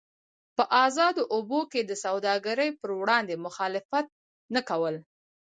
په ازادو اوبو کې د سوداګرۍ پر وړاندې مخالفت نه کول.